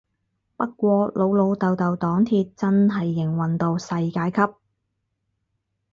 不過老老豆豆黨鐵真係營運到世界級